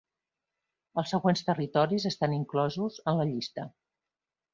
Els següents territoris estan inclosos en la llista.